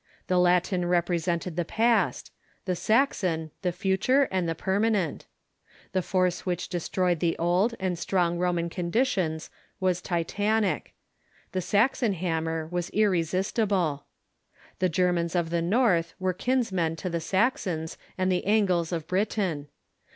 The Latin represented the Saxon and P^^* '^^® Saxon, the future and the permanent. The Latin force which destroyed the old and strong Roman ns lans conditions was titanic. The Saxon hammer was ir resistible. The Germans of the North were kinsmen to the Saxons and the Angles of Britain.